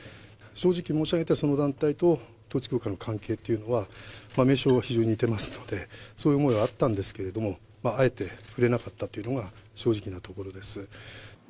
正直申し上げてその団体と統一教会の関係というのは、名称は非常に似てますので、そういう思いはあったんですけれども、あえて触れなかったというのが、正直なところです。